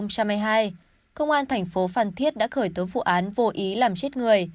công an thành phố phan thiết đã khởi tố vụ án vô ý làm chết người